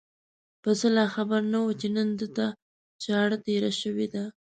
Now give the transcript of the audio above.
پسه لا خبر نه و چې نن ده ته چاړه تېره شوې ده.